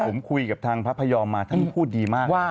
ผมคุยกับทางพระพยอมมาท่านพูดดีมาก